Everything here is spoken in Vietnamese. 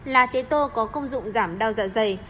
là tế tô có công dụng giảm đau dạ dày